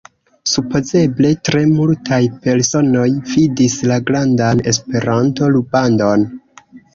Supozeble tre multaj personoj vidis la grandan Esperanto-rubandon.